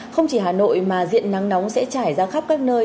không chỉ hà nội mà diện nắng nóng sẽ trải ra khắp các nơi